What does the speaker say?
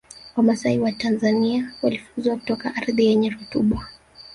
Wamasai wa Tanzania walifukuzwa kutoka ardhi yenye rutuba